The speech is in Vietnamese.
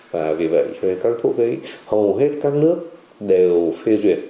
và vì vậy cho nên các thuốc ấy hầu hết các nước đều phê duyệt